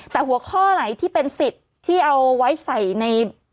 แต่หัวข้อไหนที่เป็นสิทธิ์ที่เอาไว้ใส่ใน